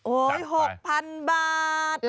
โอ้โห๖๐๐๐บาท